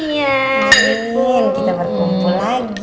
iya mimpiin kita berkumpul lagi